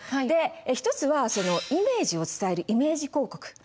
で一つはイメージを伝えるイメージ広告。